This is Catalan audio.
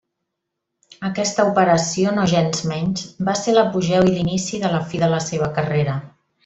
Aquesta operació nogensmenys va ser l'apogeu i l'inici de la fi de la seva carrera.